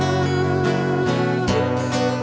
เครื่องร้าน